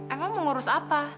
emang mengurus apa